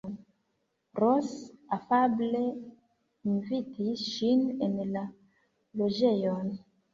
Ros afable invitis ŝin en la loĝejon.